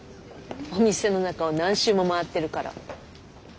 お店の中を何周も回ってるから。